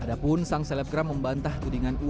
padahal sang selebgram membantah kudingan uang